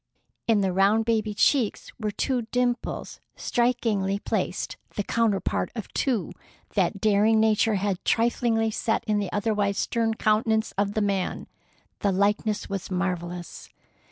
In the round baby cheeks were two dimples strikingly placed, the counterpart of two that daring Nature had triflingly set in the otherwise stern countenance of the man. The likeness was marvellous.